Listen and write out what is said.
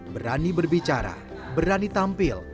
berani berbicara berani tampil